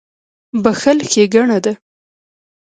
• بښل ښېګڼه ده.